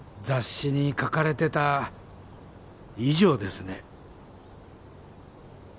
雑誌に書かれてた以上ですね